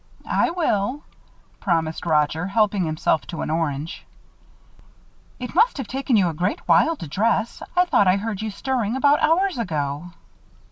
"I will," promised Roger, helping himself to an orange. "It must have taken you a great while to dress. I thought I heard you stirring about hours ago."